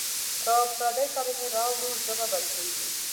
که پردۍ کلمې راوړو ژبه بدلېږي.